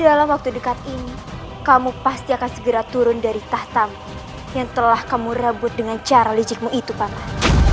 dalam waktu dekat ini kamu pasti akan segera turun dari tahtam yang telah kamu rambut dengan cara licikmu itu paman